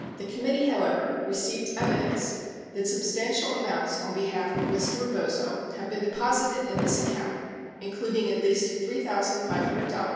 The committee, however, received evidence that substantial amounts on behalf of Mr. Rebozo have been deposited in this acount including at least $3,500 in $100 bills.